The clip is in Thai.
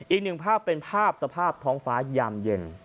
อีกหนึ่งภาพเป็นภาพสภาพท้องฟ้ายามเย็น